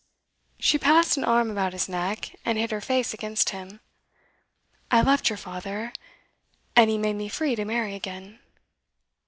She passed an arm about his neck, and hid her face against him. 'I left your father and he made me free to marry again.